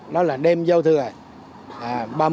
đó là đêm giao thừa